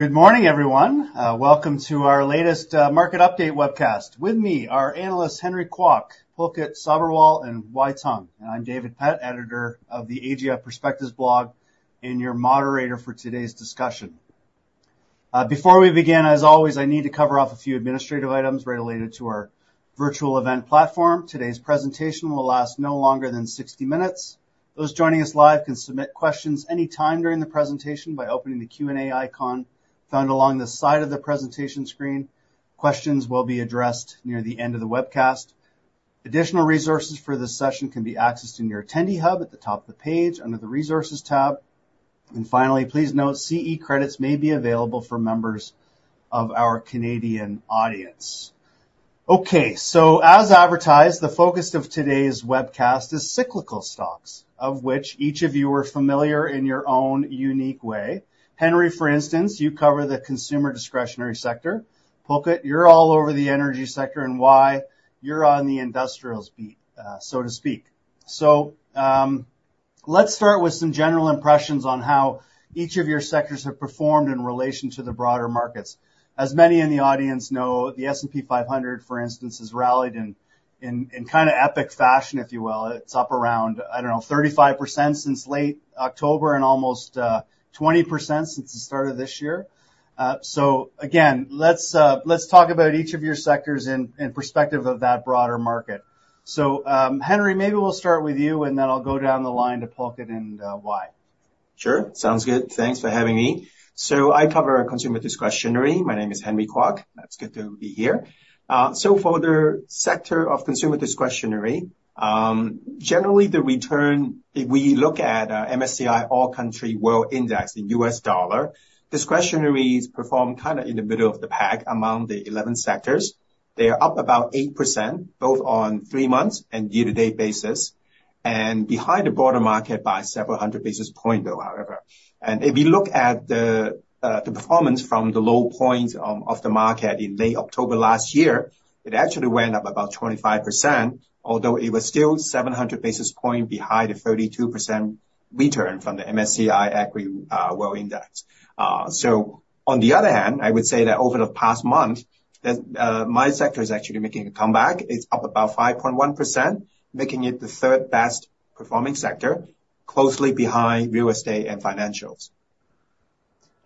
Good morning, everyone. Welcome to our latest market update webcast. With me, our analysts, Henry Kwok, Pulkit Sabharwal, and Wai Tong. And I'm David Pett, editor of the AGF Perspectives blog, and your moderator for today's discussion. Before we begin, as always, I need to cover off a few administrative items related to our virtual event platform. Today's presentation will last no longer than 60 minutes. Those joining us live can submit questions any time during the presentation by opening the Q&A icon found along the side of the presentation screen. Questions will be addressed near the end of the webcast. Additional resources for this session can be accessed in your attendee hub at the top of the page, under the Resources tab. Finally, please note, CE credits may be available for members of our Canadian audience. Okay, so as advertised, the focus of today's webcast is cyclical stocks, of which each of you are familiar in your own unique way. Henry, for instance, you cover the consumer discretionary sector, Pulkit, you're all over the energy sector, and Wai, you're on the industrials beat, so to speak. So, let's start with some general impressions on how each of your sectors have performed in relation to the broader markets. As many in the audience know, the S&P 500, for instance, has rallied in kind of epic fashion, if you will. It's up around, I don't know, 35% since late October, and almost 20% since the start of this year. So again, let's talk about each of your sectors in perspective of that broader market. Henry, maybe we'll start with you, and then I'll go down the line to Pulkit and Wai. Sure, sounds good. Thanks for having me. So I cover consumer discretionary. My name is Henry Kwok. It's good to be here. So for the sector of consumer discretionary, generally, the return, if we look at MSCI All Country World Index in U.S. dollar, discretionaries performed kind of in the middle of the pack among the 11 sectors. They are up about 8%, both on three months and year-to-date basis, and behind the broader market by several hundred basis point, though, however. And if you look at the performance from the low point of the market in late October last year, it actually went up about 25%, although it was still 700 basis point behind the 32% return from the MSCI World Index. So on the other hand, I would say that over the past month, my sector is actually making a comeback. It's up about 5.1%, making it the third best performing sector, closely behind real estate and financials.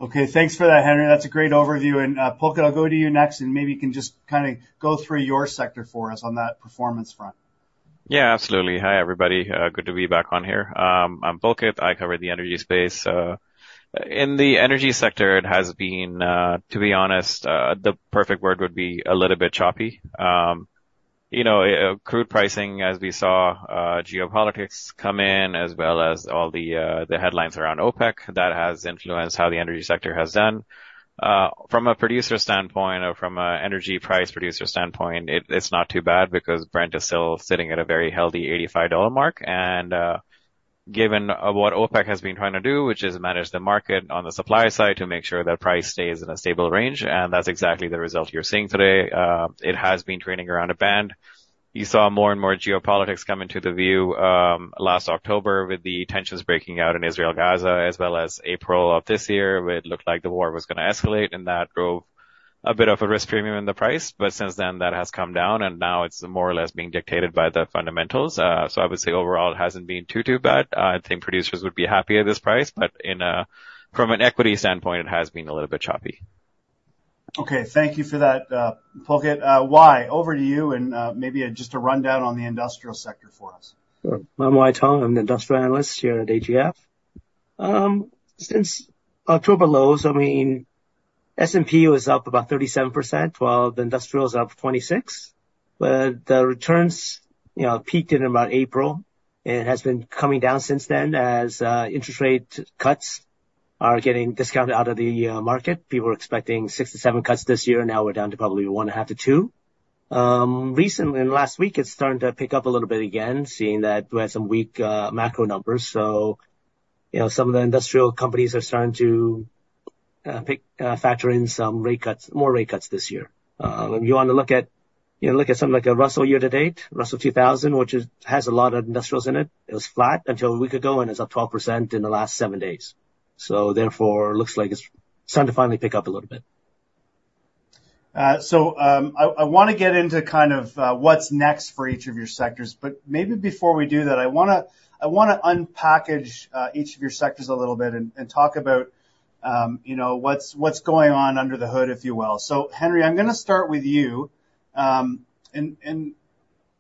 Okay, thanks for that, Henry. That's a great overview. And, Pulkit, I'll go to you next, and maybe you can just kind of go through your sector for us on that performance front. Yeah, absolutely. Hi, everybody. Good to be back on here. I'm Pulkit, I cover the energy space. In the energy sector, it has been, to be honest, the perfect word would be a little bit choppy. You know, crude pricing, as we saw, geopolitics come in, as well as all the, the headlines around OPEC. That has influenced how the energy sector has done. From a producer standpoint or from a energy price producer standpoint, it's not too bad, because Brent is still sitting at a very healthy $85 mark, and, given, what OPEC has been trying to do, which is manage the market on the supply side to make sure that price stays in a stable range, and that's exactly the result you're seeing today. It has been trading around a band. You saw more and more geopolitics come into the view last October with the tensions breaking out in Israel, Gaza, as well as April of this year, where it looked like the war was gonna escalate, and that drove a bit of a risk premium in the price. But since then, that has come down, and now it's more or less being dictated by the fundamentals. So I would say overall, it hasn't been too, too bad. I think producers would be happy at this price, but from an equity standpoint, it has been a little bit choppy. Okay, thank you for that, Pulkit. Wai, over to you, and, maybe just a rundown on the industrial sector for us. Sure. I'm Wai Tong. I'm an industrial analyst here at AGF. Since October lows, I mean, S&P was up about 37%, while the industrial is up 26%. But the returns, you know, peaked in about April and has been coming down since then, as interest rate cuts are getting discounted out of the market. People were expecting 6-7 cuts this year, now we're down to probably 1.5-2. Recently, in the last week, it's starting to pick up a little bit again, seeing that we had some weak macro numbers. So, you know, some of the industrial companies are starting to factor in some rate cuts, more rate cuts this year. If you want to look at, you know, look at something like a Russell year to date, Russell 2000, which has a lot of industrials in it, it was flat until a week ago, and it's up 12% in the last seven days. So therefore, it looks like it's starting to finally pick up a little bit. So, I wanna get into kind of what's next for each of your sectors, but maybe before we do that, I wanna unpack each of your sectors a little bit and talk about, you know, what's going on under the hood, if you will. So Henry, I'm gonna start with you. And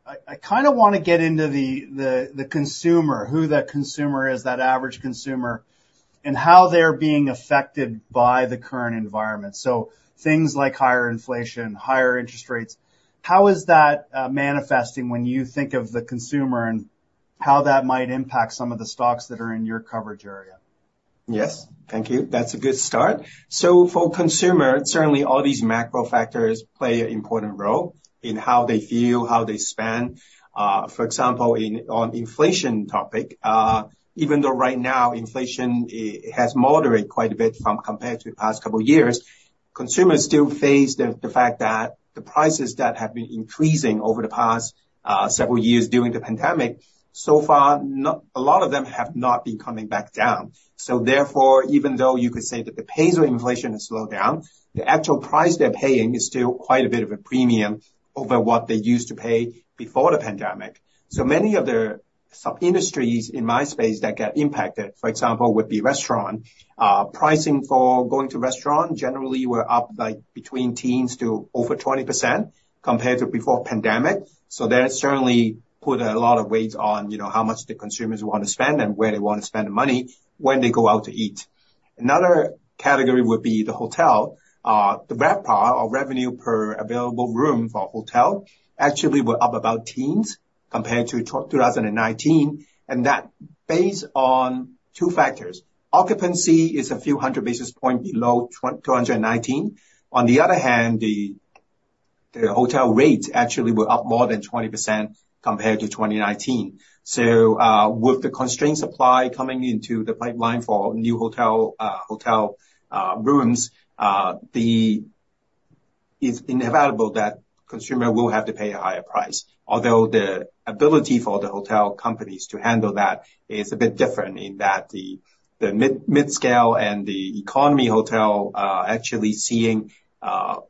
I kind of wanna get into the consumer, who that consumer is, that average consumer, and how they're being affected by the current environment. So things like higher inflation, higher interest rates, how is that manifesting when you think of the consumer, and how that might impact some of the stocks that are in your coverage area? Yes, thank you. That's a good start. So for consumer, certainly all these macro factors play an important role in how they feel, how they spend. For example, on inflation topic, even though right now inflation, it has moderated quite a bit compared to the past couple of years, consumers still face the fact that the prices that have been increasing over the past several years during the pandemic, so far, a lot of them have not been coming back down. So therefore, even though you could say that the pace of inflation has slowed down, the actual price they're paying is still quite a bit of a premium over what they used to pay before the pandemic. So many of the sub-industries in my space that get impacted, for example, would be restaurant. Pricing for going to restaurant generally were up, like, between teens to over 20% compared to before pandemic. So that certainly put a lot of weight on, you know, how much the consumers want to spend and where they want to spend the money when they go out to eat. Another category would be the hotel. The RevPAR, or revenue per available room for hotel, actually were up about teens compared to 2019, and that based on two factors. Occupancy is a few hundred basis points below 2019. On the other hand, the hotel rates actually were up more than 20% compared to 2019. So, with the constrained supply coming into the pipeline for new hotel rooms, it's inevitable that consumer will have to pay a higher price. Although the ability for the hotel companies to handle that is a bit different in that the mid-scale and the economy hotel actually seeing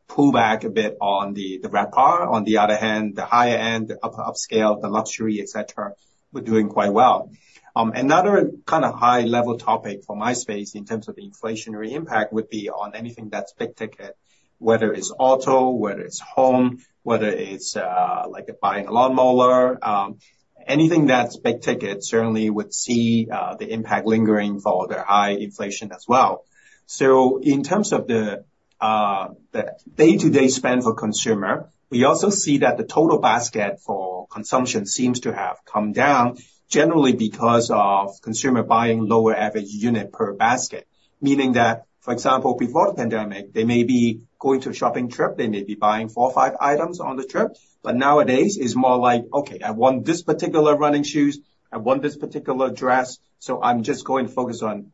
pull back a bit on the RevPAR. On the other hand, the higher end, upscale, the luxury, et cetera, were doing quite well. Another kind of high level topic for my space in terms of inflationary impact would be on anything that's big ticket, whether it's auto, whether it's home, whether it's like buying a lawnmower. Anything that's big ticket certainly would see the impact lingering for the high inflation as well. So in terms of the day-to-day spend for consumer, we also see that the total basket for consumption seems to have come down, generally because of consumer buying lower average unit per basket. Meaning that, for example, before the pandemic, they may be going to a shopping trip, they may be buying four or five items on the trip, but nowadays it's more like, "Okay, I want this particular running shoes, I want this particular dress, so I'm just going to focus on,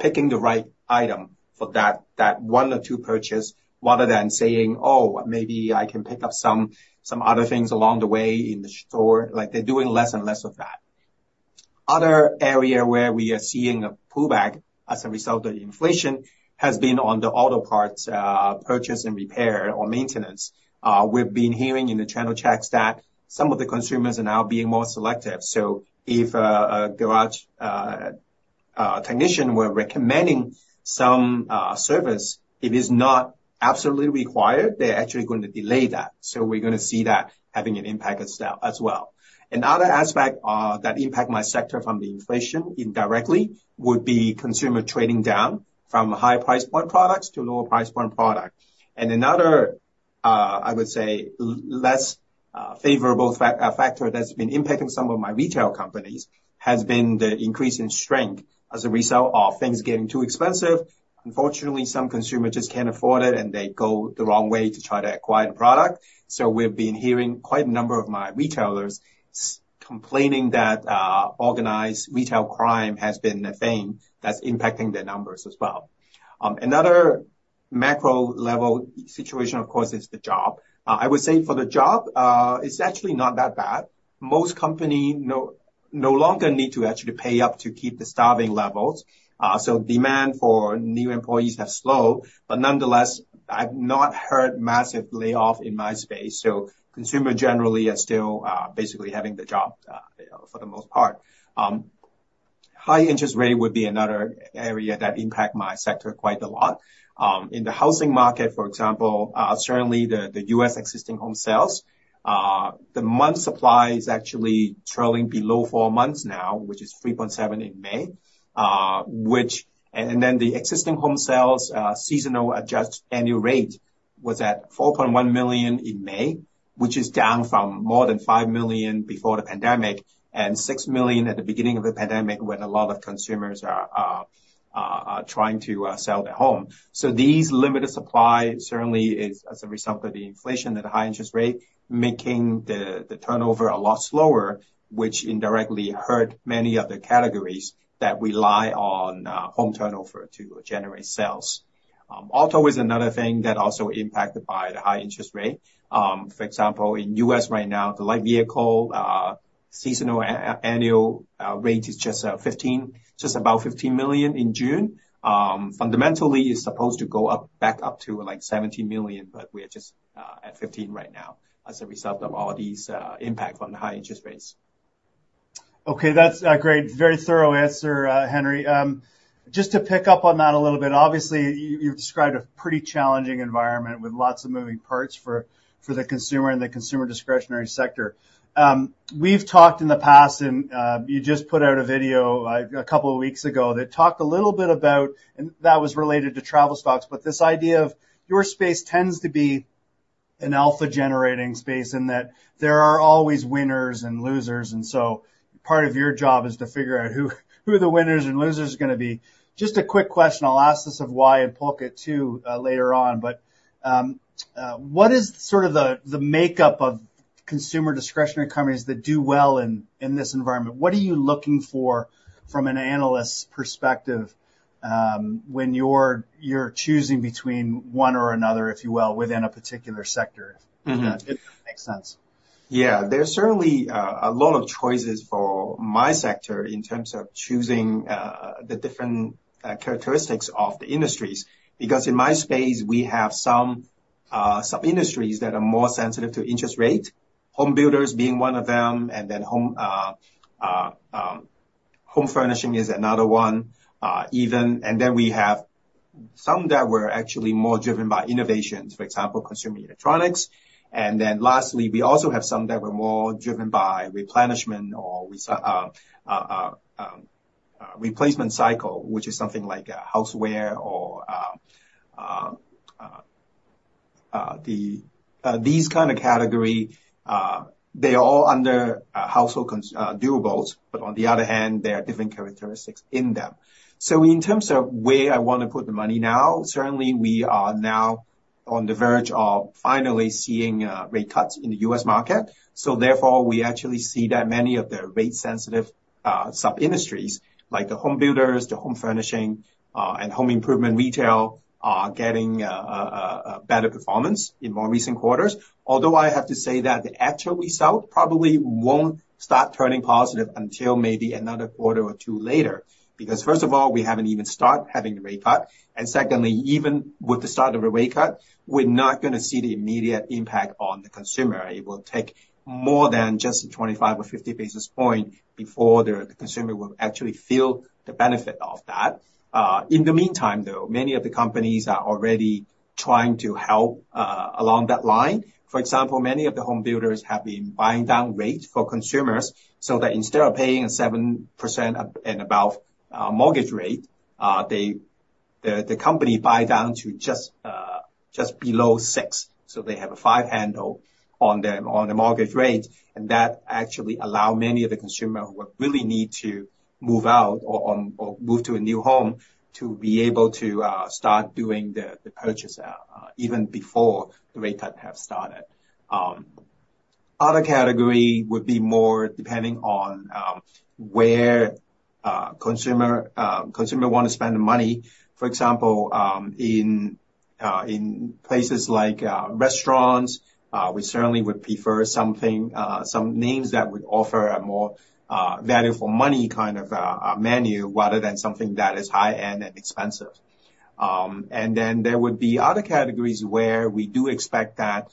picking the right item for that, that one or two purchase," rather than saying, "Oh, maybe I can pick up some, some other things along the way in the store." Like, they're doing less and less of that. Other area where we are seeing a pullback as a result of inflation, has been on the auto parts, purchase and repair or maintenance. We've been hearing in the channel checks that some of the consumers are now being more selective. So if a garage technician were recommending some service, if it's not absolutely required, they're actually going to delay that. So we're gonna see that having an impact as well. Another aspect that impact my sector from the inflation indirectly, would be consumer trading down from high price point products to lower price point product. And another I would say less favorable factor that's been impacting some of my retail companies, has been the increase in shrink as a result of things getting too expensive. Unfortunately, some consumers just can't afford it, and they go the wrong way to try to acquire the product. So we've been hearing quite a number of my retailers complaining that organized retail crime has been a thing that's impacting their numbers as well. Another macro level situation, of course, is the job. I would say for the job, it's actually not that bad. Most companies no longer need to actually pay up to keep the staffing levels, so demand for new employees have slowed, but nonetheless, I've not heard massive layoffs in my space. So consumers generally are still, basically having the job, you know, for the most part. High interest rate would be another area that impact my sector quite a lot. In the housing market, for example, certainly the U.S. existing home sales, the months' supply is actually trailing below four months now, which is 3.7 in May. Which... Then the existing home sales seasonal adjusted annual rate was at 4.1 million in May, which is down from more than five million before the pandemic, and six million at the beginning of the pandemic, when a lot of consumers are trying to sell their home. So these limited supply certainly is, as a result of the inflation and the high interest rate, making the turnover a lot slower, which indirectly hurt many other categories that rely on home turnover to generate sales. Auto is another thing that also impacted by the high interest rate. For example, in the U.S. right now, the light vehicle seasonal annual rate is just about 15 million in June. Fundamentally, it's supposed to go up, back up to, like, 17 million, but we are just at 15 right now as a result of all these impact from the high interest rates. Okay, that's a great, very thorough answer, Henry. Just to pick up on that a little bit, obviously, you, you've described a pretty challenging environment with lots of moving parts for the consumer and the consumer discretionary sector. We've talked in the past, and you just put out a video a couple of weeks ago that talked a little bit about. And that was related to travel stocks, but this idea of your space tends to be an alpha-generating space, in that there are always winners and losers, and so part of your job is to figure out who the winners and losers are gonna be. Just a quick question, I'll ask this of Wai and Pulkit, too, later on, but what is sort of the makeup of consumer discretionary companies that do well in this environment? What are you looking for from an analyst's perspective, when you're, you're choosing between one or another, if you will, within a particular sector? Mm-hmm. If that makes sense. Yeah. There's certainly a lot of choices for my sector in terms of choosing the different characteristics of the industries, because in my space, we have some industries that are more sensitive to interest rate, home builders being one of them, and then home furnishing is another one. And then we have some that were actually more driven by innovations, for example, consumer electronics. And then lastly, we also have some that were more driven by replenishment or replacement cycle, which is something like houseware or these kind of category. They are all under household durables, but on the other hand, there are different characteristics in them. So in terms of where I want to put the money now, certainly we are now on the verge of finally seeing rate cuts in the U.S. market. So therefore, we actually see that many of the rate-sensitive sub-industries, like the home builders, the home furnishing, and home improvement retail, are getting a better performance in more recent quarters. Although, I have to say that the actual result probably won't start turning positive until maybe another quarter or two later. Because first of all, we haven't even start having the rate cut, and secondly, even with the start of a rate cut, we're not gonna see the immediate impact on the consumer. It will take more than just a 25 or 50 basis point before the consumer will actually feel the benefit of that. In the meantime, though, many of the companies are already trying to help along that line. For example, many of the home builders have been buying down rates for consumers, so that instead of paying a 7% and about mortgage rate, they, the company buy down to just below 6. So they have a five handle on the mortgage rate, and that actually allow many of the consumer who really need to move out or or move to a new home, to be able to start doing the purchase even before the rate cut have started. Other category would be more depending on where consumer consumer want to spend the money. For example, in places like restaurants, we certainly would prefer something, some names that would offer a more value for money kind of menu, rather than something that is high-end and expensive. And then there would be other categories where we do expect that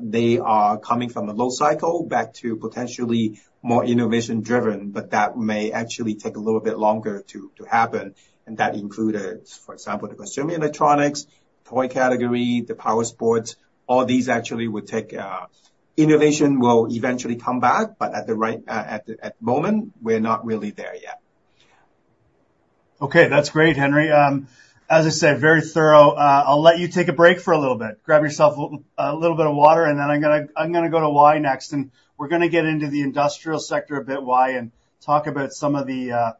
they are coming from a low cycle back to potentially more innovation-driven, but that may actually take a little bit longer to happen. And that included, for example, the consumer electronics, toy category, the power sports; all these actually would take... Innovation will eventually come back, but at the right, at the moment, we're not really there yet. Okay, that's great, Henry. As I said, very thorough. I'll let you take a break for a little bit. Grab yourself a little bit of water, and then I'm gonna go to Wai next, and we're gonna get into the industrial sector a bit, Wai, and talk about some of the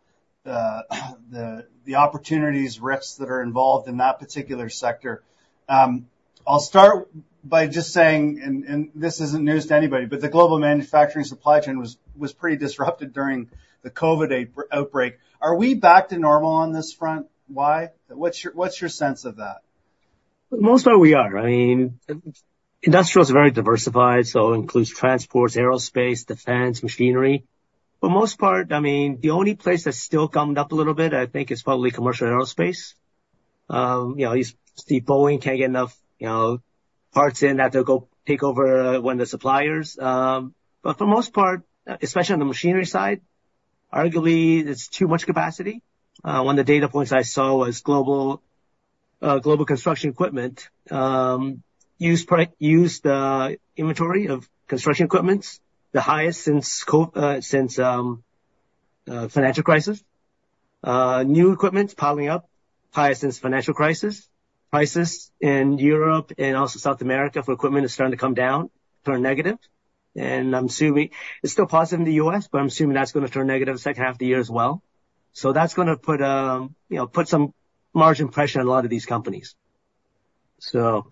opportunities, risks that are involved in that particular sector. I'll start by just saying, and this isn't news to anybody, but the global manufacturing supply chain was pretty disrupted during the COVID outbreak. Are we back to normal on this front, Wai? What's your sense of that? Most part, we are. I mean, industrial is very diversified, so includes transports, aerospace, defense, machinery. For the most part, I mean, the only place that's still gummed up a little bit, I think, is probably commercial aerospace. You know, you see Boeing can't get enough, you know, parts in that they'll go take over one of the suppliers. But for the most part, especially on the machinery side, arguably, there's too much capacity. One of the data points I saw was global, global construction equipment, used, inventory of construction equipments, the highest since financial crisis. New equipments piling up, highest since financial crisis. Prices in Europe and also South America, for equipment, is starting to come down, turn negative. I'm assuming it's still positive in the U.S., but I'm assuming that's gonna turn negative the second half of the year as well. So that's gonna put, you know, put some margin pressure on a lot of these companies. So-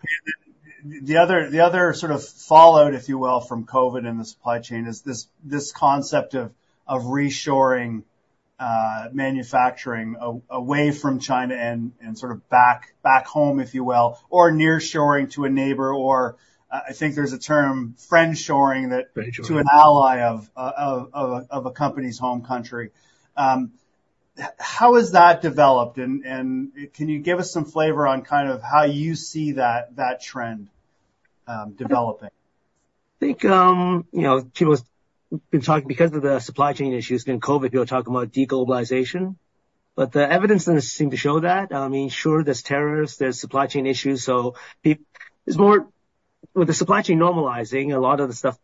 The other sort of fallout, if you will, from COVID and the supply chain, is this concept of reshoring manufacturing away from China and sort of back home, if you will, or nearshoring to a neighbor, or I think there's a term, friendshoring that- [rosstalk] Friendshoring... to an ally of a company's home country. How has that developed, and can you give us some flavor on kind of how you see that trend developing? I think, you know, people have been talking, because of the supply chain issues during COVID, people are talking about de-globalization, but the evidence doesn't seem to show that. I mean, sure, there's tariffs, there's supply chain issues, so there's more with the supply chain normalizing, a lot of the stuff,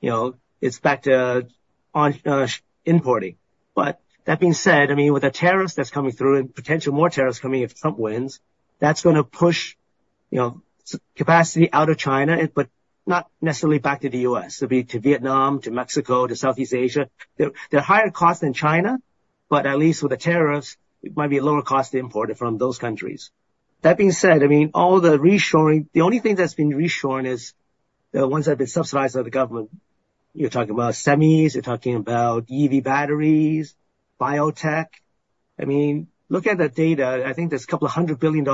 you know, is back to on, importing. But that being said, I mean, with the tariffs that's coming through, and potentially more tariffs coming if Trump wins, that's gonna push, you know, capacity out of China, but not necessarily back to the US. It'll be to Vietnam, to Mexico, to Southeast Asia. They're higher cost than China, but at least with the tariffs, it might be a lower cost to import it from those countries. That being said, I mean, all the reshoring, the only thing that's been reshoring is the ones that have been subsidized by the government. You're talking about semis, you're talking about EV batteries, biotech. I mean, look at the data. I think there's $200 billion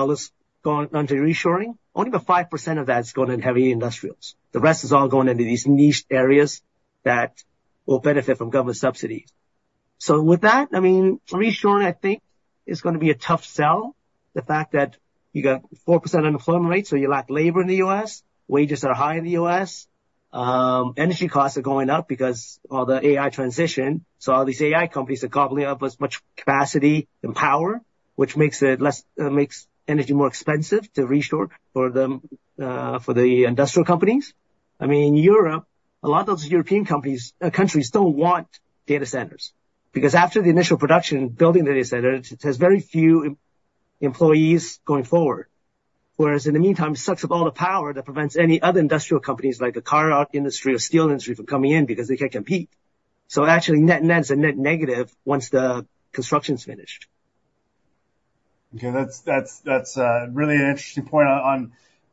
going onto reshoring. Only about 5% of that is going in heavy industrials. The rest is all going into these niche areas that will benefit from government subsidies. So with that, I mean, reshoring, I think, is gonna be a tough sell. The fact that you got 4% unemployment rate, so you lack labor in the U.S., wages are high in the U.S., energy costs are going up because all the AI transition. So all these AI companies are gobbling up as much capacity and power, which makes energy more expensive to reshore for the industrial companies. I mean, in Europe, a lot of those European companies, countries don't want data centers, because after the initial production, building the data center, it has very few employees going forward. Whereas in the meantime, sucks up all the power that prevents any other industrial companies, like a car industry or steel industry, from coming in because they can't compete. So actually, net-net, it's a net negative once the construction's finished. Okay, that's really an interesting point on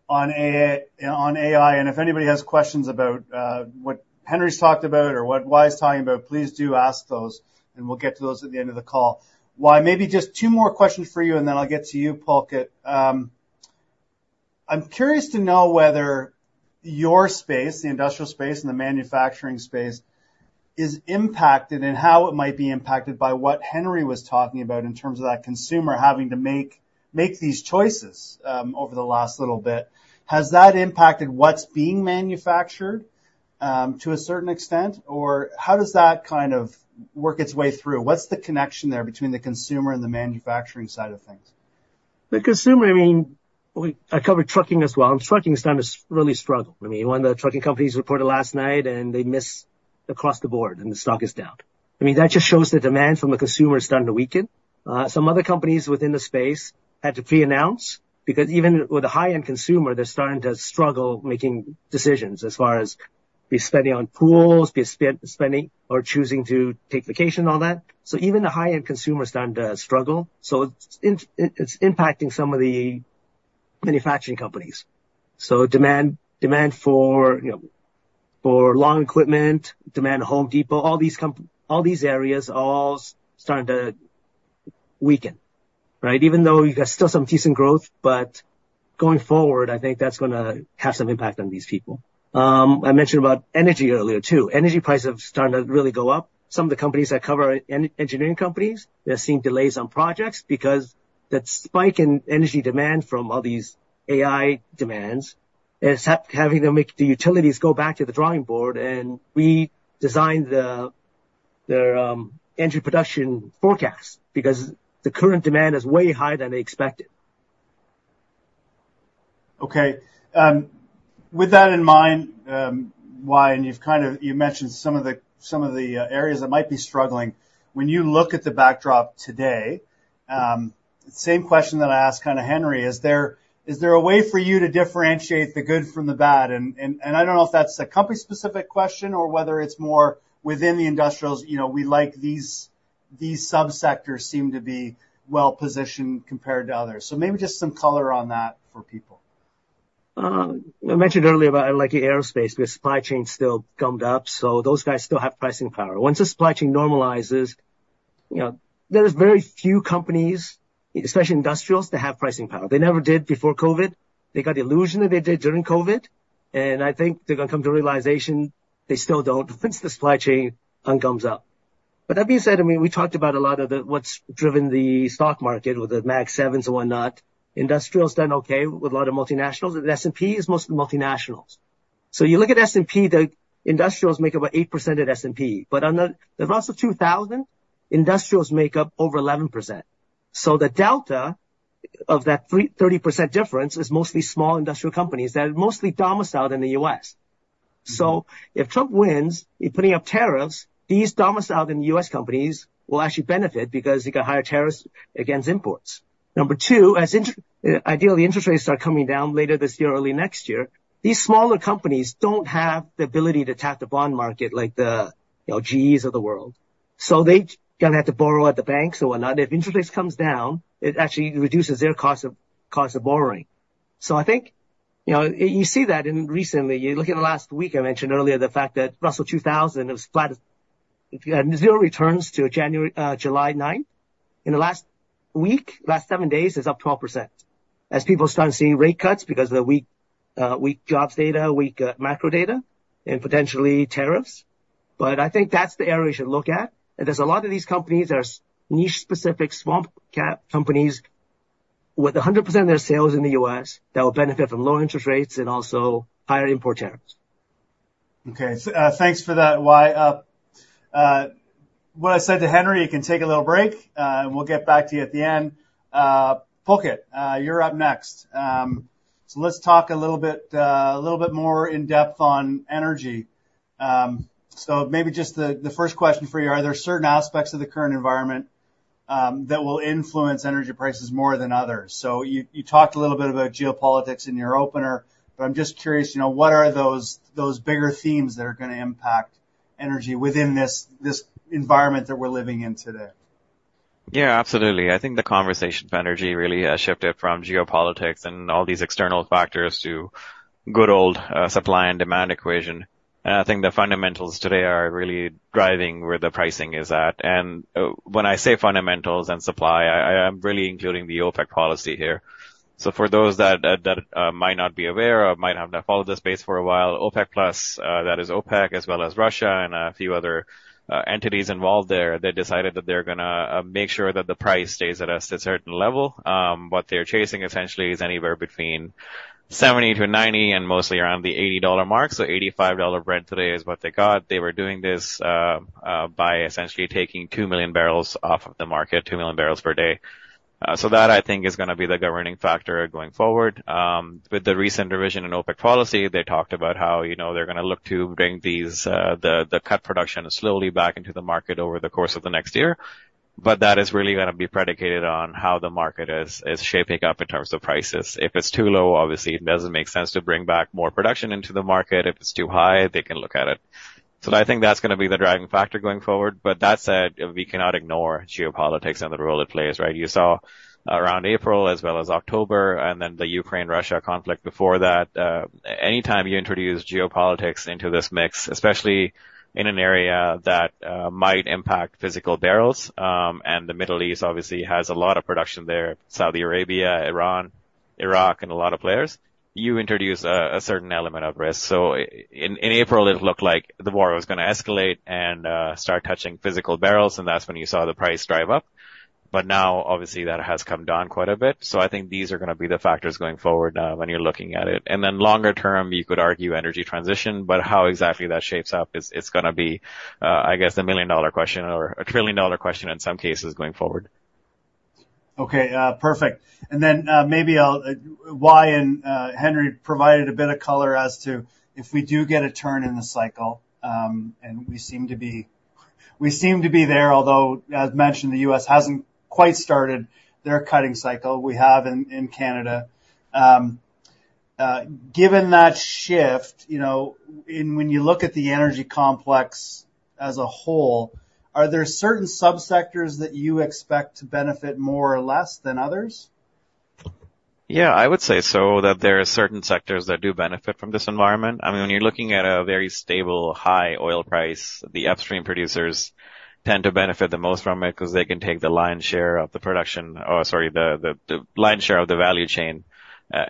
AI. On AI, and if anybody has questions about what Henry's talked about or what Wai's talking about, please do ask those, and we'll get to those at the end of the call. Wai, maybe just two more questions for you, and then I'll get to you, Pulkit. I'm curious to know whether your space, the industrial space and the manufacturing space, is impacted and how it might be impacted by what Henry was talking about in terms of that consumer having to make these choices over the last little bit. Has that impacted what's being manufactured to a certain extent? Or how does that kind of work its way through? What's the connection there between the consumer and the manufacturing side of things? The consumer, I mean, I cover trucking as well, and trucking is starting to really struggle. I mean, one of the trucking companies reported last night, and they missed across the board, and the stock is down. I mean, that just shows the demand from the consumer is starting to weaken. Some other companies within the space had to pre-announce, because even with the high-end consumer, they're starting to struggle making decisions as far as spending on pools, spending or choosing to take vacation, all that. So even the high-end consumer are starting to struggle, so it's impacting some of the manufacturing companies. So demand, demand for, you know, for lawn equipment, demand at Home Depot, all these areas are all starting to weaken, right? Even though you've got still some decent growth, but going forward, I think that's gonna have some impact on these people. I mentioned about energy earlier, too. Energy prices have started to really go up. Some of the companies that cover engineering companies, they're seeing delays on projects because that spike in energy demand from all these AI demands is having to make the utilities go back to the drawing board and redesign the energy production forecast, because the current demand is way higher than they expected. Okay, with that in mind, Wai, and you've kind of, you mentioned some of the, some of the areas that might be struggling. When you look at the backdrop today, same question that I asked kinda Henry: Is there, is there a way for you to differentiate the good from the bad? And, and, and I don't know if that's a company-specific question or whether it's more within the Industrials, you know, we like these, these sub-sectors seem to be well-positioned compared to others. So maybe just some color on that for people. I mentioned earlier about, I like aerospace, the supply chain is still gummed up, so those guys still have pricing power. Once the supply chain normalizes, you know, there is very few companies, especially industrials, that have pricing power. They never did before COVID. They got the illusion that they did during COVID, and I think they're gonna come to the realization they still don't once the supply chain ungums up. But that being said, I mean, we talked about a lot of what's driven the stock market, with the MAX Sevens and whatnot. Industrials doing okay with a lot of multinationals, and S&P is mostly multinationals. So you look at S&P, the industrials make up about 8% of S&P, but on the Russell 2000, industrials make up over 11%. So the delta of that 30% difference is mostly small industrial companies that are mostly domiciled in the U.S. So if Trump wins, he's putting up tariffs, these domiciled in U.S. companies will actually benefit because you got higher tariffs against imports. Number two, as ideally, interest rates start coming down later this year, early next year. These smaller companies don't have the ability to tap the bond market like the, you know, GEs of the world. So they gonna have to borrow at the banks or whatnot. So I think, you know, you see that in recently. You look at the last week, I mentioned earlier the fact that Russell 2000, it was flat, zero returns to January -- July 9th. In the last week, last seven days, it's up 12%. As people start to see rate cuts because of the weak jobs data, weak macro data, and potentially tariffs. But I think that's the area we should look at. And there's a lot of these companies that are niche-specific, small cap companies with 100% of their sales in the U.S. that will benefit from low interest rates and also higher import tariffs. Okay, thanks for that, Wai. What I said to Henry, you can take a little break, and we'll get back to you at the end. Pulkit, you're up next. So let's talk a little bit, a little bit more in-depth on energy. So maybe just the first question for you: Are there certain aspects of the current environment that will influence energy prices more than others? So you talked a little bit about geopolitics in your opener, but I'm just curious, you know, what are those bigger themes that are gonna impact energy within this environment that we're living in today? Yeah, absolutely. I think the conversation of energy really has shifted from geopolitics and all these external factors to good old, supply and demand equation. And I think the fundamentals today are really driving where the pricing is at. And, when I say fundamentals and supply, I am really including the OPEC policy here. So for those that, that, might not be aware or might not have followed this space for a while, OPEC+, that is OPEC, as well as Russia and a few other, entities involved there, they decided that they're gonna, make sure that the price stays at a certain level. What they're chasing, essentially, is anywhere between 70 to 90, and mostly around the $80 mark. So $85 Brent today is what they got. They were doing this by essentially taking 2 million barrels off of the market, 2 million barrels per day. So that, I think, is gonna be the governing factor going forward. With the recent revision in OPEC policy, they talked about how, you know, they're gonna look to bring these, the cut production slowly back into the market over the course of the next year, but that is really gonna be predicated on how the market is shaping up in terms of prices. If it's too low, obviously, it doesn't make sense to bring back more production into the market. If it's too high, they can look at it. So I think that's gonna be the driving factor going forward. But that said, we cannot ignore geopolitics and the role it plays, right? You saw around April as well as October, and then the Ukraine-Russia conflict before that, anytime you introduce geopolitics into this mix, especially in an area that might impact physical barrels, and the Middle East obviously has a lot of production there, Saudi Arabia, Iran, Iraq, and a lot of players, you introduce a certain element of risk. So in April, it looked like the war was gonna escalate and start touching physical barrels, and that's when you saw the price drive up. But now, obviously, that has come down quite a bit. So I think these are gonna be the factors going forward, when you're looking at it. And then longer term, you could argue energy transition, but how exactly that shapes up is—it's gonna be, I guess, a million-dollar question or a trillion-dollar question in some cases, going forward. Okay, perfect. And then, maybe I'll... Wai and Henry provided a bit of color as to if we do get a turn in the cycle, and we seem to be there, although, as mentioned, the U.S. hasn't quite started their cutting cycle. We have in Canada. Given that shift, you know, in—when you look at the energy complex as a whole, are there certain sub-sectors that you expect to benefit more or less than others? Yeah, I would say so, that there are certain sectors that do benefit from this environment. I mean, when you're looking at a very stable, high oil price, the upstream producers tend to benefit the most from it, 'cause they can take the lion's share of the production... Oh, sorry, the lion's share of the value chain,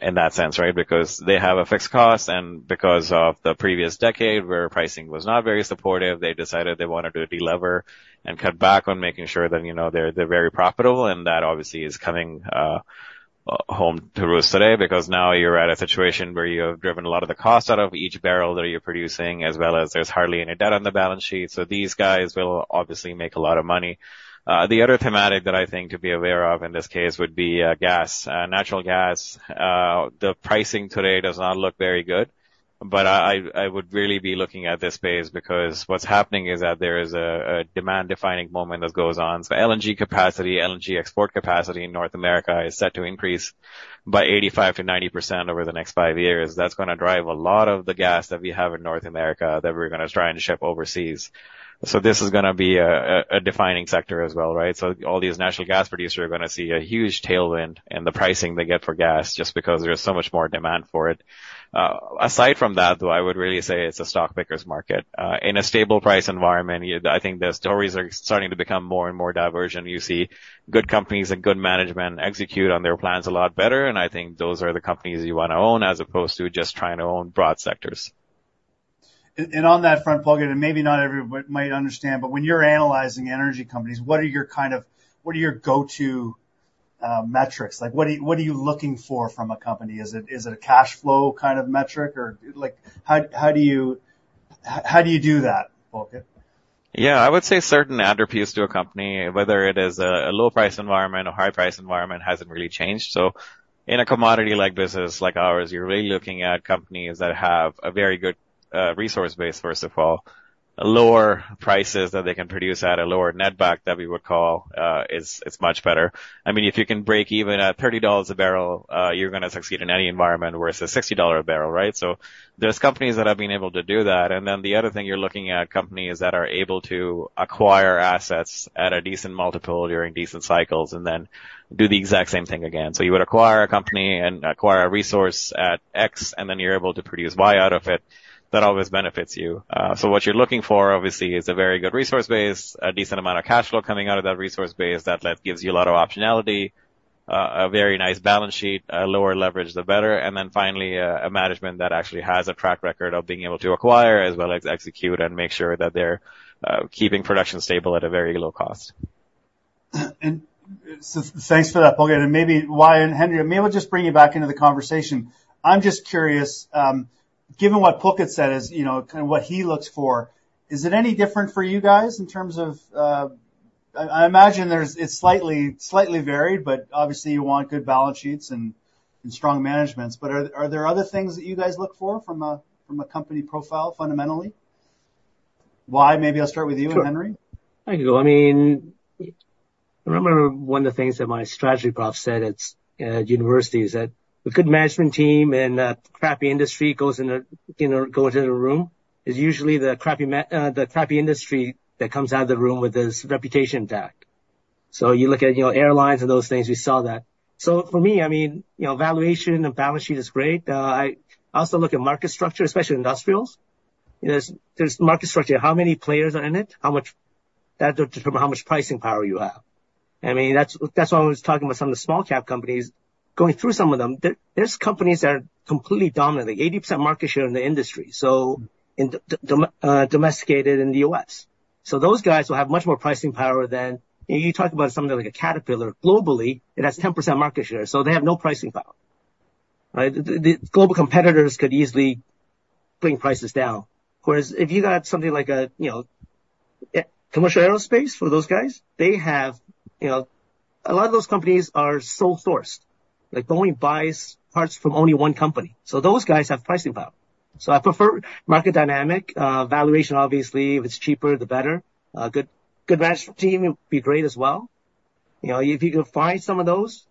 in that sense, right? Because they have a fixed cost, and because of the previous decade, where pricing was not very supportive, they decided they wanted to delever and cut back on making sure that, you know, they're very profitable. And that, obviously, is coming home to roost today, because now you're at a situation where you have driven a lot of the cost out of each barrel that you're producing, as well as there's hardly any debt on the balance sheet. So these guys will obviously make a lot of money. The other thematic that I think to be aware of in this case would be gas. Natural gas, the pricing today does not look very good, but I would really be looking at this space, because what's happening is that there is a demand-defining moment that goes on. So LNG capacity, LNG export capacity in North America is set to increase by 85%-90% over the next 5 years. That's gonna drive a lot of the gas that we have in North America that we're gonna try and ship overseas. So this is gonna be a defining sector as well, right? So all these natural gas producers are gonna see a huge tailwind in the pricing they get for gas, just because there's so much more demand for it. Aside from that, though, I would really say it's a stock picker's market. In a stable price environment, I think the stories are starting to become more and more divergent. You see good companies and good management execute on their plans a lot better, and I think those are the companies you wanna own, as opposed to just trying to own broad sectors. And on that front, Pulkit, maybe not everyone might understand, but when you're analyzing energy companies, what are your kind of—what are your go-to metrics? Like, what are you looking for from a company? Is it a cash flow kind of metric? Or like, how do you do that, Pulkit? Yeah, I would say certain attributes to a company, whether it is a low price environment or high price environment, hasn't really changed. So in a commodity-like business, like ours, you're really looking at companies that have a very good resource base, first of all. Lower prices that they can produce at a lower netback, that we would call, is much better. I mean, if you can break even at $30 a barrel, you're gonna succeed in any environment versus $60 a barrel, right? So there's companies that have been able to do that. And then the other thing, you're looking at companies that are able to acquire assets at a decent multiple during decent cycles, and then do the exact same thing again. So you would acquire a company and acquire a resource at X, and then you're able to produce Y out of it, that always benefits you. So what you're looking for, obviously, is a very good resource base, a decent amount of cash flow coming out of that resource base that gives you a lot of optionality, a very nice balance sheet, a lower leverage, the better. And then finally, a management that actually has a track record of being able to acquire, as well as execute and make sure that they're keeping production stable at a very low cost. Thanks for that, Pulkit. And maybe Wai and Henry, maybe we'll just bring you back into the conversation. I'm just curious, given what Pulkit said, as, you know, kind of what he looks for, is it any different for you guys in terms of... I imagine it's slightly, slightly varied, but obviously, you want good balance sheets and, and strong managements. But are, are there other things that you guys look for from a, from a company profile, fundamentally?... Wai? Maybe I'll start with you, and Henry. I can go. I mean, I remember one of the things that my strategy prof said at university, is that, "A good management team and a crappy industry goes in a, you know, go into the room, is usually the crappy ma-, the crappy industry that comes out of the room with its reputation back." So you look at, you know, airlines and those things, we saw that. So for me, I mean, you know, valuation and balance sheet is great. I also look at market structure, especially industrials. You know, there's market structure, how many players are in it? How much... That determine how much pricing power you have. I mean, that's why I was talking about some of the small cap companies, going through some of them. There, there's companies that are completely dominant, like 80% market share in the industry, so in domesticated in the US. So those guys will have much more pricing power than... You talk about something like a Caterpillar. Globally, it has 10% market share, so they have no pricing power, right? The, the global competitors could easily bring prices down. Whereas if you got something like a, you know, commercial aerospace for those guys, they have, you know, a lot of those companies are sole sourced, like only buys parts from only one company. So those guys have pricing power. So I prefer market dynamic, valuation, obviously, if it's cheaper, the better. Good, good management team would be great as well. You know, if you can find some of those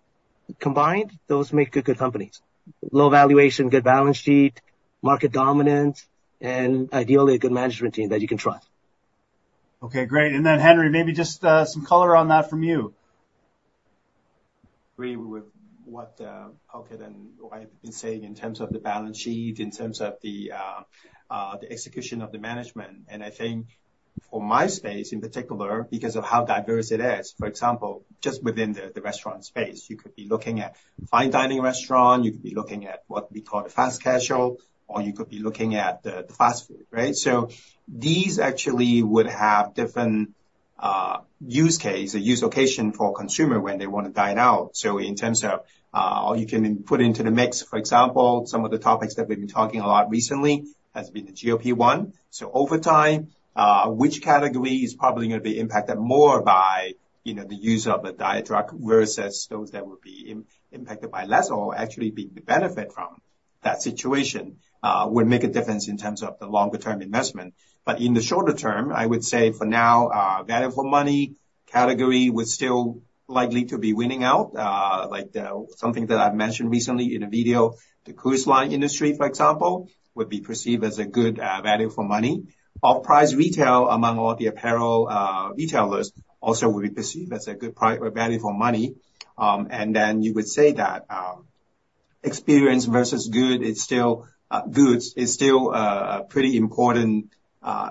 combined, those make good, good companies. Low valuation, good balance sheet, market dominance, and ideally, a good management team that you can trust. Okay, great. And then, Henry, maybe just some color on that from you. Agree with what, Pulkit and Wai have been saying in terms of the balance sheet, in terms of the execution of the management. And I think for my space, in particular, because of how diverse it is, for example, just within the restaurant space, you could be looking at fine dining restaurant, you could be looking at what we call the fast casual, or you could be looking at the fast food, right? So these actually would have different use case or use location for consumer when they want to dine out. So in terms of, or you can put into the mix, for example, some of the topics that we've been talking a lot recently, has been the GLP-1. So over time, which category is probably gonna be impacted more by, you know, the use of the diet drug, versus those that would be impacted by less or actually benefiting from that situation, would make a difference in terms of the longer term investment. But in the shorter term, I would say for now, value for money category was still likely to be winning out. Like, something that I've mentioned recently in a video, the cruise line industry, for example, would be perceived as a good value for money. Off-price retail among all the apparel retailers, also would be perceived as a good price or value for money. And then you would say that experience versus goods is still a pretty important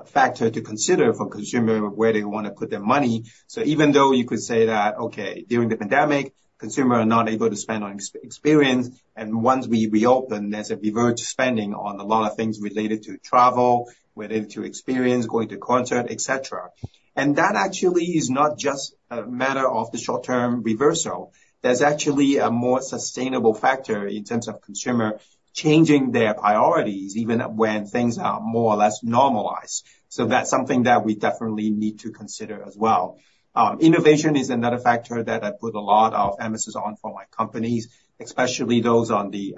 factor to consider for consumer, where they want to put their money. So even though you could say that, okay, during the pandemic, consumer are not able to spend on experience, and once we reopen, there's a revert to spending on a lot of things related to travel, related to experience, going to concert, et cetera. That actually is not just a matter of the short-term reversal. There's actually a more sustainable factor in terms of consumer changing their priorities, even when things are more or less normalized. So that's something that we definitely need to consider as well. Innovation is another factor that I put a lot of emphasis on for my companies, especially those on the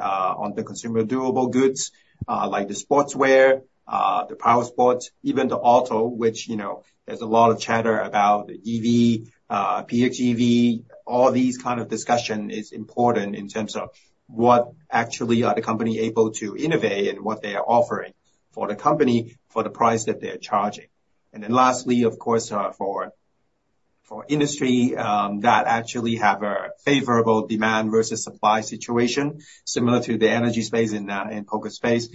consumer durable goods, like the sportswear, the power sports, even the auto, which, you know, there's a lot of chatter about EV, PHEV. All these kind of discussion is important in terms of what actually are the company able to innovate and what they are offering for the company, for the price that they're charging. And then lastly, of course, for industry that actually have a favorable demand versus supply situation, similar to the energy space and focus space.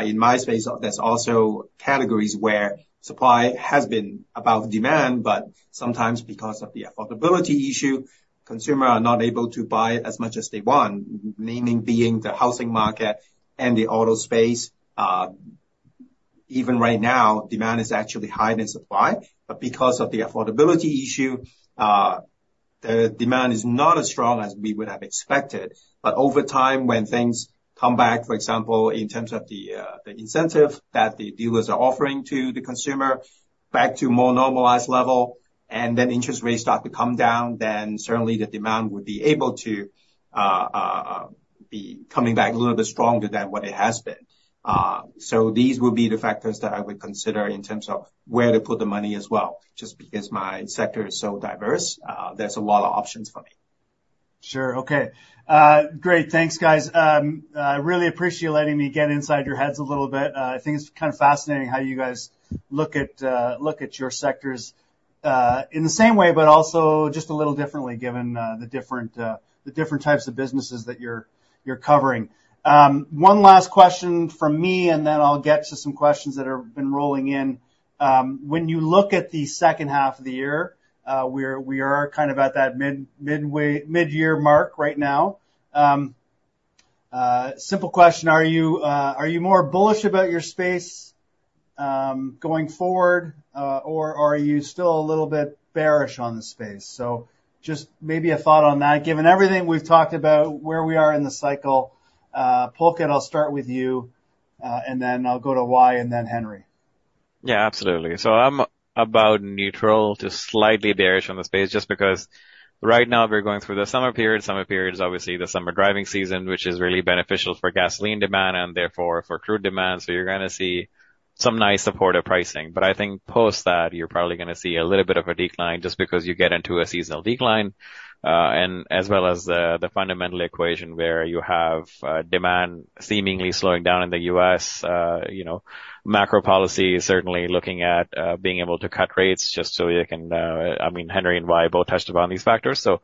In my space, there's also categories where supply has been above demand, but sometimes because of the affordability issue, consumer are not able to buy as much as they want, mainly being the housing market and the auto space. Even right now, demand is actually higher than supply, but because of the affordability issue, the demand is not as strong as we would have expected. But over time, when things come back, for example, in terms of the, the incentive that the dealers are offering to the consumer, back to more normalized level, and then interest rates start to come down, then certainly the demand would be able to, be coming back a little bit stronger than what it has been. These will be the factors that I would consider in terms of where to put the money as well. Just because my sector is so diverse, there's a lot of options for me. Sure. Okay. Great, thanks, guys. Really appreciate you letting me get inside your heads a little bit. I think it's kind of fascinating how you guys look at your sectors in the same way, but also just a little differently, given the different types of businesses that you're covering. One last question from me, and then I'll get to some questions that have been rolling in. When you look at the second half of the year, we are kind of at that mid-year mark right now. Simple question, are you more bullish about your space going forward, or are you still a little bit bearish on the space? So just maybe a thought on that, given everything we've talked about, where we are in the cycle. Pulkit, I'll start with you, and then I'll go to Wai, and then Henry.... Yeah, absolutely. So I'm about neutral to slightly bearish on the space, just because right now we're going through the summer period. Summer period is obviously the summer driving season, which is really beneficial for gasoline demand and therefore for crude demand. So you're gonna see some nice supportive pricing. But I think post that, you're probably gonna see a little bit of a decline, just because you get into a seasonal decline, and as well as the fundamental equation, where you have demand seemingly slowing down in the U.S. You know, macro policy is certainly looking at being able to cut rates just so you can, I mean, Henry and Wai both touched upon these factors. So,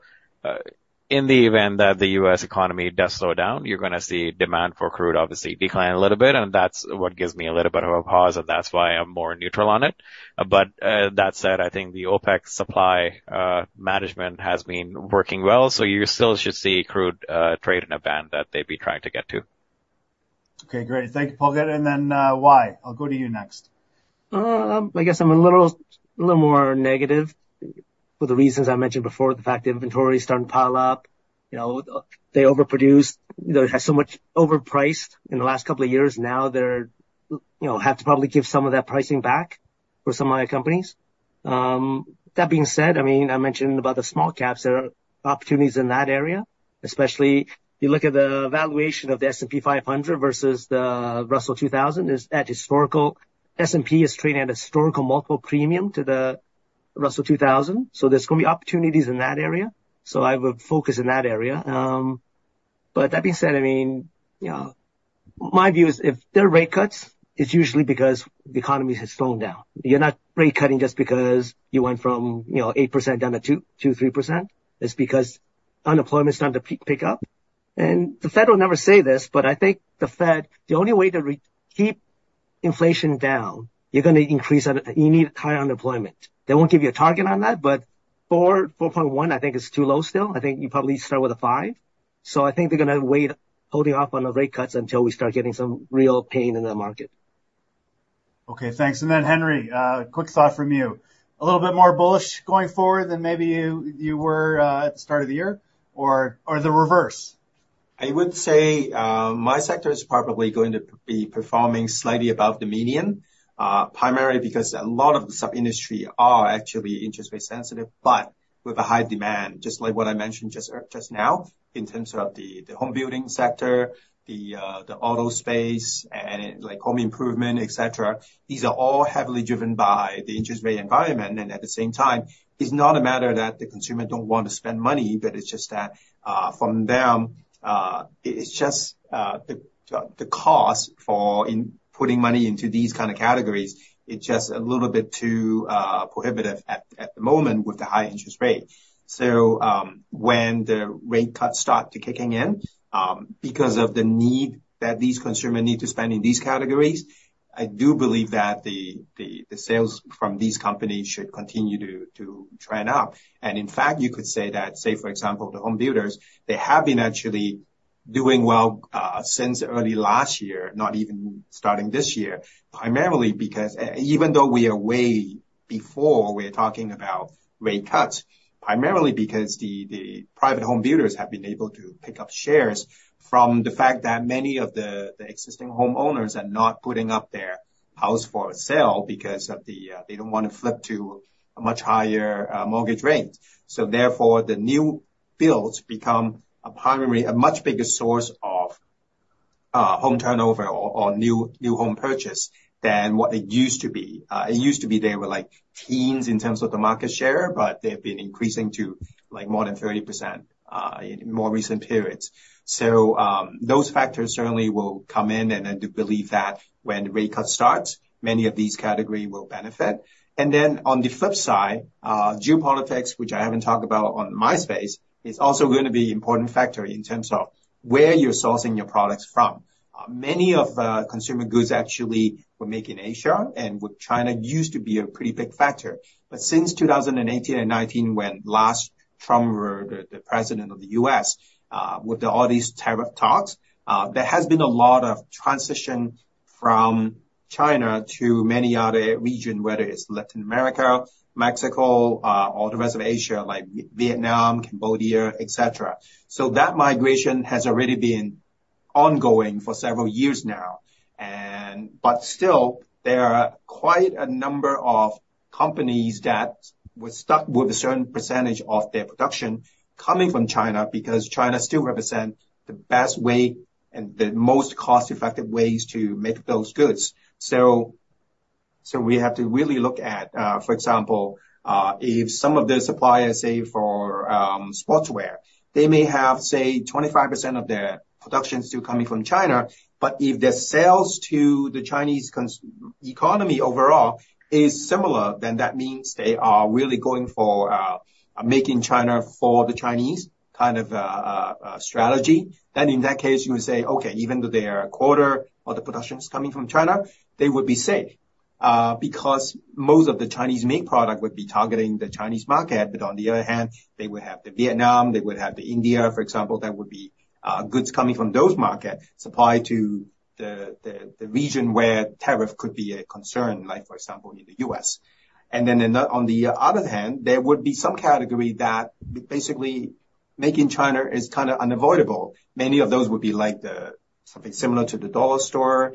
in the event that the US economy does slow down, you're gonna see demand for crude obviously decline a little bit, and that's what gives me a little bit of a pause, and that's why I'm more neutral on it. But, that said, I think the OPEC supply management has been working well, so you still should see crude trade in a band that they'd be trying to get to. Okay, great. Thank you, Pulkit. And then, Wai, I'll go to you next. I guess I'm a little more negative for the reasons I mentioned before, the fact the inventory is starting to pile up. You know, they overproduced, they have so much overpriced in the last couple of years. Now, they're, you know, have to probably give some of that pricing back for some of my companies. That being said, I mean, I mentioned about the small caps, there are opportunities in that area, especially you look at the valuation of the S&P 500 versus the Russell 2000 is at historical, S&P is trading at a historical multiple premium to the Russell 2000. So there's gonna be opportunities in that area. So I would focus in that area. But that being said, I mean, you know, my view is if there are rate cuts, it's usually because the economy has thrown down. You're not rate cutting just because you went from, you know, 8% down to 2%-3%. It's because unemployment is starting to pick up. And the Fed will never say this, but I think the Fed, the only way to keep inflation down, you're gonna increase on it, you need high unemployment. They won't give you a target on that, but 4.1, I think is too low still. I think you probably start with a 5. So I think they're gonna wait, holding off on the rate cuts until we start getting some real pain in the market. Okay, thanks. And then, Henry, quick thought from you. A little bit more bullish going forward than maybe you, you were at the start of the year, or, or the reverse? I would say, my sector is probably going to be performing slightly above the median, primarily because a lot of the sub-industry are actually interest rate sensitive, but with a high demand, just like what I mentioned just now, in terms of the, the home building sector, the, the auto space, and like, home improvement, et cetera. These are all heavily driven by the interest rate environment, and at the same time, it's not a matter that the consumer don't want to spend money, but it's just that, from them, it's just, the, the cost for putting money into these kind of categories, it's just a little bit too prohibitive at the moment with the high interest rate. So, when the rate cuts start to kicking in, because of the need that these consumers need to spend in these categories, I do believe that the sales from these companies should continue to trend out. And in fact, you could say that, for example, the home builders, they have been actually doing well, since early last year, not even starting this year, primarily because even though we are way before we are talking about rate cuts, primarily because the private home builders have been able to pick up shares from the fact that many of the existing homeowners are not putting up their house for sale, because they don't want to flip to a much higher mortgage rate. Therefore, the new builds become primarily a much bigger source of home turnover or new home purchase than what it used to be. It used to be they were like teens in terms of the market share, but they've been increasing to like more than 30% in more recent periods. Those factors certainly will come in, and I do believe that when rate cut starts, many of these categories will benefit. Then on the flip side, geopolitics, which I haven't talked about on my space, is also going to be an important factor in terms of where you're sourcing your products from. Many of the consumer goods actually were made in Asia, and with China used to be a pretty big factor. But since 2018 and 2019, when last Trump was the president of the U.S., with all these tariff talks, there has been a lot of transition from China to many other region, whether it's Latin America, Mexico, or the rest of Asia, like Vietnam, Cambodia, et cetera. So that migration has already been ongoing for several years now, and... But still, there are quite a number of companies that were stuck with a certain percentage of their production coming from China, because China still represent the best way and the most cost-effective ways to make those goods. So, we have to really look at, for example, if some of the suppliers, say, for sportswear, they may have, say, 25% of their production still coming from China, but if their sales to the Chinese consumer economy overall is similar, then that means they are really going for, making China for the Chinese kind of strategy. Then in that case, you would say, "Okay, even though their quarter or the production is coming from China, they would be safe." Because most of the Chinese main product would be targeting the Chinese market, but on the other hand, they would have the Vietnam, they would have the India, for example, that would be goods coming from those market, supplied to the region where tariff could be a concern, like, for example, in the US. And then, on the other hand, there would be some category made in China is kind of unavoidable. Many of those would be like the, something similar to the dollar store,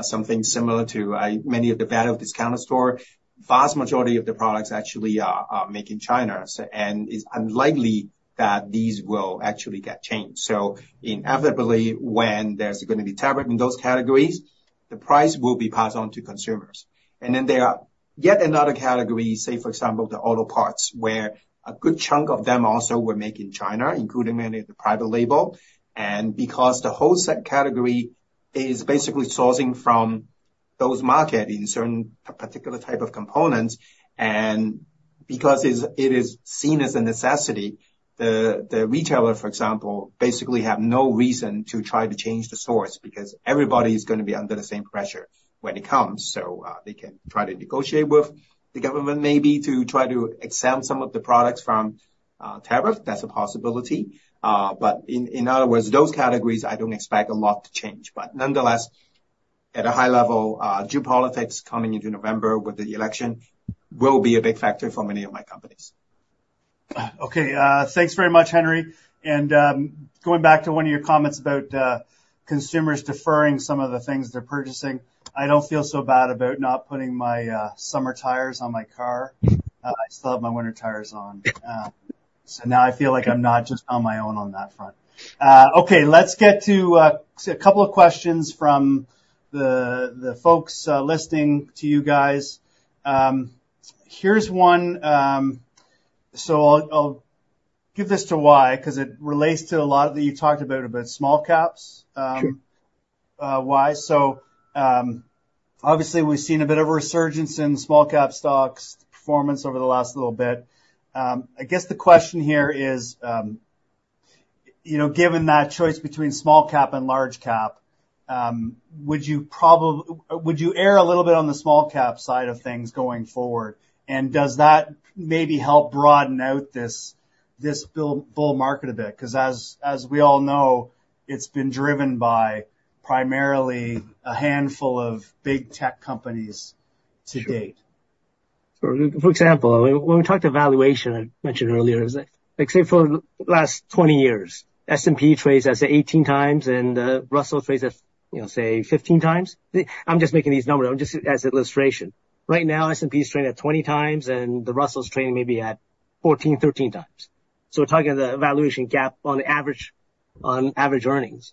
something similar to, many of the value discounter store. Vast majority of the products actually are made in China, so and it's unlikely that these will actually get changed. So inevitably, when there's gonna be tariff in those categories, the price will be passed on to consumers. And then there are yet another category, say, for example, the auto parts, where a good chunk of them also were made in China, including many of the private label. And because the wholesale category is basically sourcing from those market in certain particular type of components, and because it is seen as a necessity, the retailer, for example, basically have no reason to try to change the source, because everybody's gonna be under the same pressure when it comes. So, they can try to negotiate with the government, maybe, to try to exempt some of the products from tariff. That's a possibility. But in other words, those categories, I don't expect a lot to change. But nonetheless, at a high level, geopolitics coming into November with the election will be a big factor for many of my companies. Okay. Thanks very much, Henry. And, going back to one of your comments about, consumers deferring some of the things they're purchasing, I don't feel so bad about not putting my, summer tires on my car. I still have my winter tires on. So now I feel like I'm not just on my own on that front. Okay, let's get to, see a couple of questions from the, the folks, listening to you guys. Here's one. So I'll, I'll give this to Wai, 'cause it relates to a lot that you talked about, about small caps. Sure. Wai, so, obviously we've seen a bit of a resurgence in small cap stocks' performance over the last little bit. I guess the question here is, you know, given that choice between small cap and large cap, would you err a little bit on the small cap side of things going forward? And does that maybe help broaden out this bull market a bit? 'Cause as we all know, it's been driven by primarily a handful of big tech companies to date. Sure. For example, when we talked valuation, I mentioned earlier, is that, like, say, for the last 20 years, S&P trades at 18 times, and Russell trades at, you know, say 15 times. I'm just making these numbers up, just as illustration. Right now, S&P is trading at 20 times, and the Russell's trading maybe at 14, 13 times. So we're talking the valuation gap on average, on average earnings,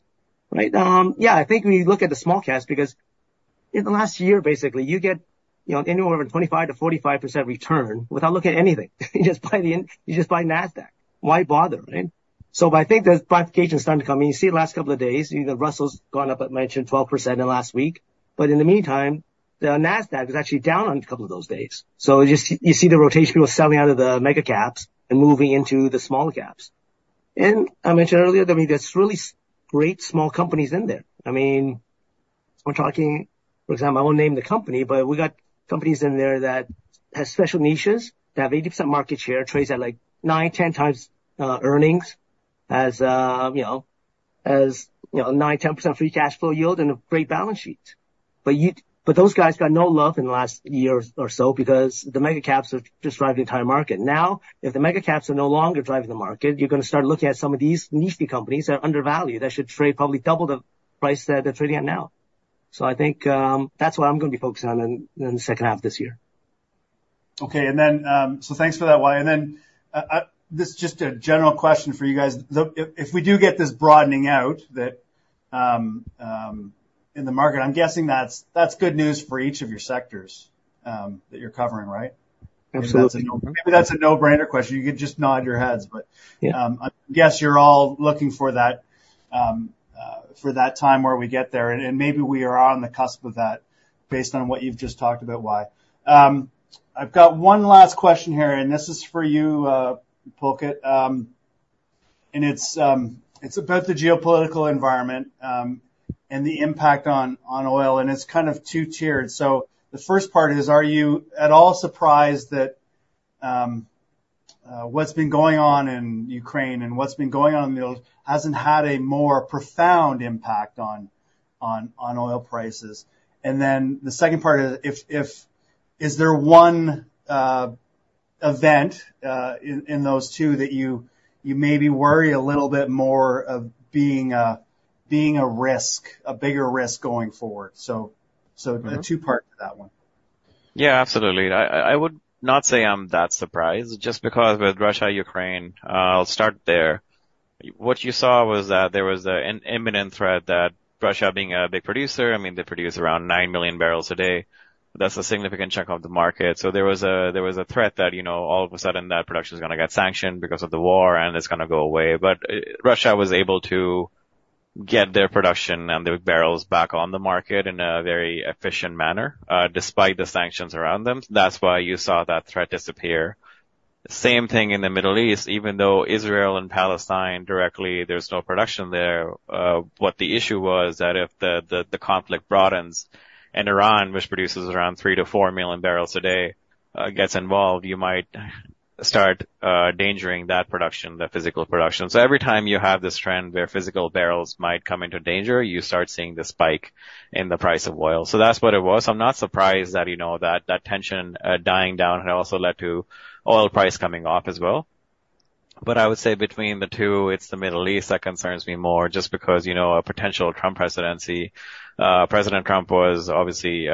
right? Yeah, I think we look at the small caps, because in the last year, basically, you get, you know, anywhere from 25%-45% return without looking at anything. You just buy NASDAQ. Why bother, right? So but I think the diversification is starting to come in. You see the last couple of days, you know, the Russell's gone up, I mentioned, 12% in the last week. But in the meantime, the NASDAQ is actually down on a couple of those days. So just, you see the rotation of selling out of the mega caps and moving into the smaller caps. And I mentioned earlier, I mean, there's really great small companies in there. I mean, we're talking, for example, I won't name the company, but we got companies in there that has special niches, that have 80% market share, trades at, like, 9-10 times earnings, as you know, 9-10% free cash flow yield and a great balance sheet. But those guys got no love in the last year or so because the mega caps are just driving the entire market. Now, if the mega caps are no longer driving the market, you're gonna start looking at some of these niche-y companies that are undervalued, that should trade probably double the price that they're trading at now. So I think, that's what I'm gonna be focusing on in the second half of this year. Okay, and then, so thanks for that, Wai. And then, this is just a general question for you guys. If we do get this broadening out that in the market, I'm guessing that's good news for each of your sectors that you're covering, right? Absolutely. Maybe that's a no-brainer question. You can just nod your heads, but- Yeah. I guess you're all looking for that, for that time where we get there, and, and maybe we are on the cusp of that, based on what you've just talked about, Wai. I've got one last question here, and this is for you, Pulkit. And it's about the geopolitical environment, and the impact on oil, and it's kind of two-tiered. So the first part is, are you at all surprised that what's been going on in Ukraine and what's been going on in the Middle East hasn't had a more profound impact on oil prices? And then the second part is, is there one event in those two that you maybe worry a little bit more about being a bigger risk going forward? So, so- Mm-hmm. the two parts to that one. Yeah, absolutely. I would not say I'm that surprised, just because with Russia-Ukraine, I'll start there. What you saw was that there was an imminent threat that Russia, being a big producer, I mean, they produce around 9 million barrels a day. That's a significant chunk of the market. So there was a threat that, you know, all of a sudden, that production is gonna get sanctioned because of the war, and it's gonna go away. But Russia was able to get their production and their barrels back on the market in a very efficient manner, despite the sanctions around them. That's why you saw that threat disappear. Same thing in the Middle East, even though Israel and Palestine directly, there's no production there, what the issue was, that if the conflict broadens and Iran, which produces around 3-4 million barrels a day, gets involved, you might start endangering that production, the physical production. So every time you have this trend where physical barrels might come into danger, you start seeing the spike in the price of oil. So that's what it was. I'm not surprised that, you know, that that tension dying down has also led to oil price coming off as well.... But I would say between the two, it's the Middle East that concerns me more, just because, you know, a potential Trump presidency. President Trump was obviously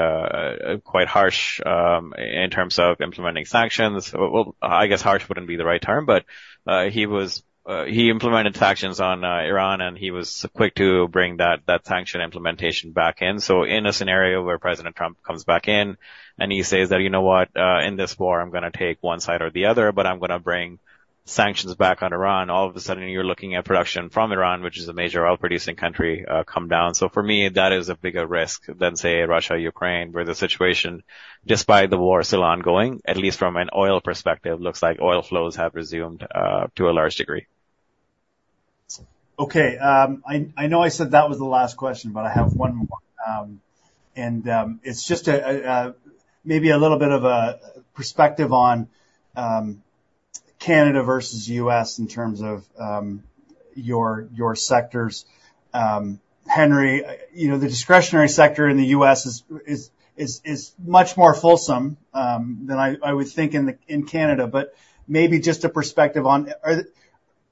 quite harsh in terms of implementing sanctions. Well, I guess harsh wouldn't be the right term, but, he implemented sanctions on, Iran, and he was quick to bring that, that sanction implementation back in. So in a scenario where President Trump comes back in and he says that, "You know what? In this war, I'm gonna take one side or the other, but I'm gonna bring sanctions back on Iran," all of a sudden, you're looking at production from Iran, which is a major oil-producing country, come down. So for me, that is a bigger risk than, say, Russia, Ukraine, where the situation, despite the war still ongoing, at least from an oil perspective, looks like oil flows have resumed, to a large degree. Okay, I know I said that was the last question, but I have one more. It's just maybe a little bit of a perspective on Canada versus U.S. in terms of your sectors. Henry, you know, the discretionary sector in the U.S. is much more fulsome than I would think in Canada. But maybe just a perspective on: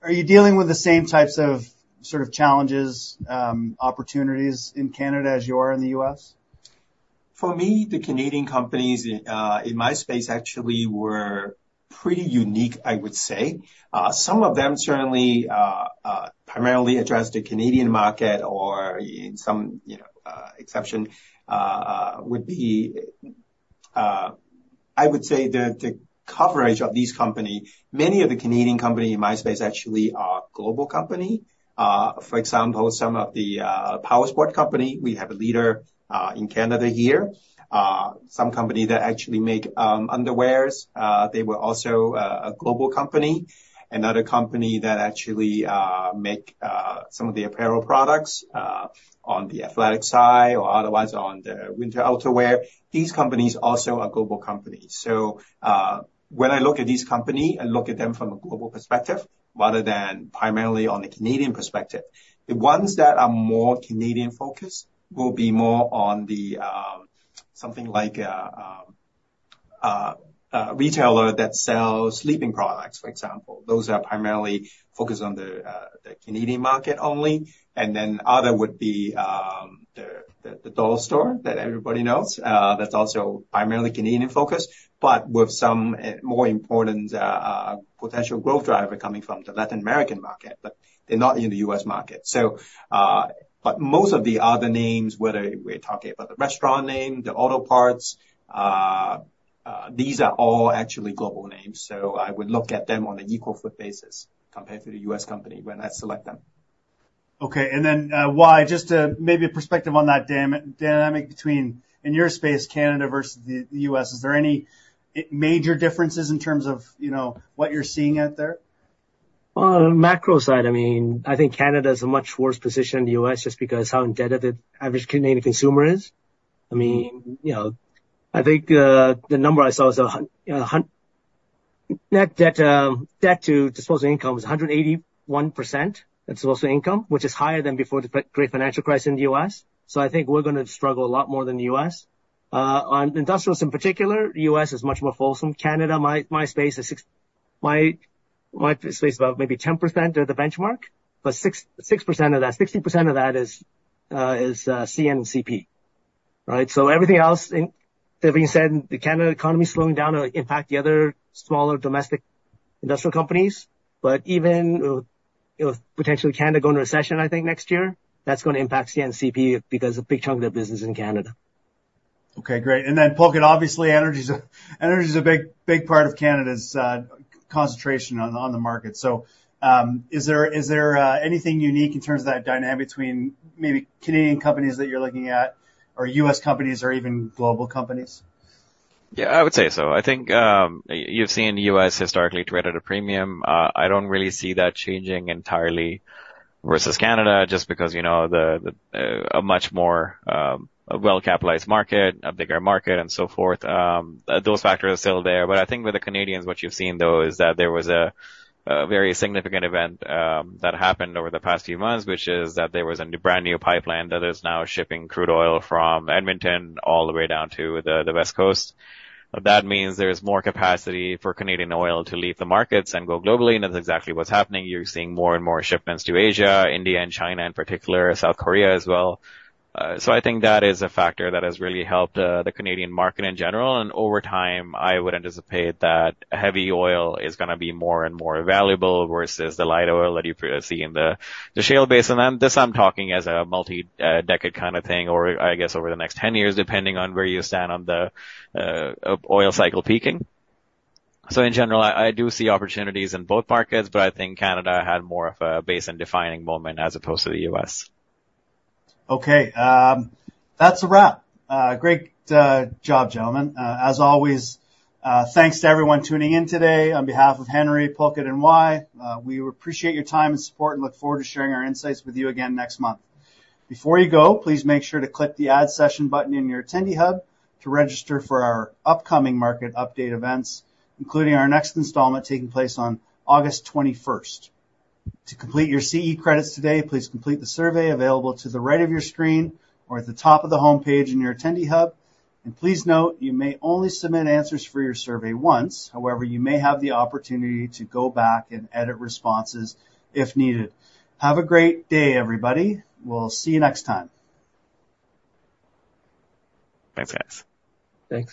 Are you dealing with the same types of sort of challenges, opportunities in Canada as you are in the U.S.? For me, the Canadian companies in my space actually were pretty unique, I would say. Some of them certainly primarily address the Canadian market or in some, you know, exception would be. I would say the coverage of these company, many of the Canadian company in my space actually are global company. For example, some of the powersports company, we have a leader in Canada here. Some company that actually make underwears, they were also a global company. Another company that actually make some of the apparel products on the athletic side or otherwise on the winter outerwear. These companies also are global companies. So, when I look at these company, I look at them from a global perspective, rather than primarily on the Canadian perspective. The ones that are more Canadian-focused will be more on the, something like, retailer that sells sleeping products, for example. Those are primarily focused on the, the Canadian market only. And then other would be, the doll store that everybody knows, that's also primarily Canadian-focused, but with some, more important, potential growth driver coming from the Latin American market, but they're not in the U.S. market. So, but most of the other names, whether we're talking about the restaurant name, the auto parts, these are all actually global names, so I would look at them on an equal foot basis compared to the U.S. company when I select them. Okay, and then, Wai, just to maybe a perspective on that dynamic between, in your space, Canada versus the US. Is there any major differences in terms of, you know, what you're seeing out there? Well, on the macro side, I mean, I think Canada is in a much worse position than the U.S., just because how indebted the average Canadian consumer is. I mean, you know, I think the number I saw was a hundred net debt to disposable income is 181% disposable income, which is higher than before the financial crisis in the U.S. So I think we're gonna struggle a lot more than the U.S. On industrials in particular, the U.S. is much more fulsome. Canada, my space is about maybe 10% of the benchmark, but 6%, 60% of that is CNCP, right? So everything else in, that being said, the Canada economy slowing down will impact the other smaller domestic industrial companies. But even, you know, potentially Canada going into a recession, I think, next year, that's gonna impact CN CP because a big chunk of their business is in Canada. Okay, great. And then, Pulkit, obviously, energy is a big, big part of Canada's concentration on the market. So, is there anything unique in terms of that dynamic between maybe Canadian companies that you're looking at, or U.S. companies, or even global companies? Yeah, I would say so. I think, you've seen the U.S. historically trade at a premium. I don't really see that changing entirely versus Canada, just because, you know, a much more well-capitalized market, a bigger market, and so forth. Those factors are still there. But I think with the Canadians, what you've seen, though, is that there was a very significant event that happened over the past few months, which is that there was a brand-new pipeline that is now shipping crude oil from Edmonton all the way down to the West Coast. That means there's more capacity for Canadian oil to leave the markets and go globally, and that's exactly what's happening. You're seeing more and more shipments to Asia, India, and China, in particular, South Korea as well. So I think that is a factor that has really helped the Canadian market in general. And over time, I would anticipate that heavy oil is gonna be more and more valuable versus the light oil that you see in the shale basin. And this, I'm talking as a multi-decade kind of thing, or I guess over the next 10 years, depending on where you stand on the oil cycle peaking. So in general, I do see opportunities in both markets, but I think Canada had more of a basin-defining moment as opposed to the U.S. Okay, that's a wrap. Great job, gentlemen. As always, thanks to everyone tuning in today. On behalf of Henry, Pulkit and Wai, we appreciate your time and support, and look forward to sharing our insights with you again next month. Before you go, please make sure to click the Add Session button in your Attendee Hub to register for our upcoming market update events, including our next installment, taking place on August twenty-first. To complete your CE credits today, please complete the survey available to the right of your screen or at the top of the homepage in your Attendee Hub. And please note, you may only submit answers for your survey once. However, you may have the opportunity to go back and edit responses if needed. Have a great day, everybody. We'll see you next time. Bye, guys. Thank you.